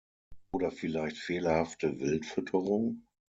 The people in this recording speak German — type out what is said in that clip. Oder vielleicht fehlerhafte Wildfütterung?